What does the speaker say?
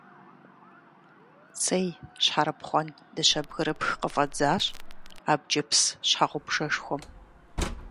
Цей, щхьэрыпхъуэн, дыщэ бгырыпх къыфӀэдзащ абджыпс щхьэгъубжэшхуэм.